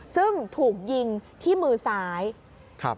ซึ่งถูกยิงที่มือซ้ายครับ